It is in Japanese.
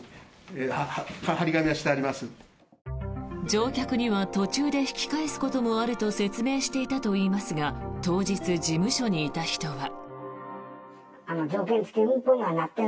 乗客には途中で引き返すこともあると説明していたといいますが当日、事務所にいた人は。